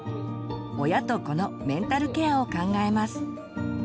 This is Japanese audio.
親と子のメンタルケアを考えます。